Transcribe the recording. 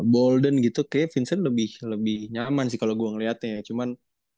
bolden gitu kayak vincent lebih nyaman sih kalau gue ngeliatnya ya cuman